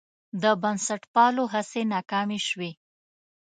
د بنسټپالو هڅې ناکامې شوې.